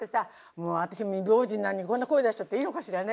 もう私未亡人なのにこんな声出しちゃっていいのかしらね。